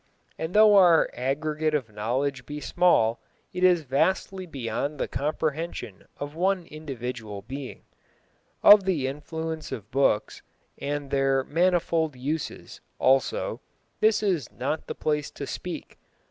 And though our aggregate of knowledge be small, it is vastly beyond the comprehension of one individual being. Of the influence of books, and their manifold uses, also, this is not the place to speak.